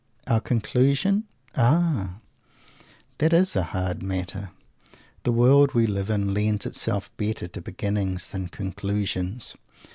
Our conclusion? Ah! that is a hard matter. The world we live in lends itself better to beginnings than conclusions.